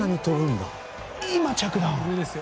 今、着弾。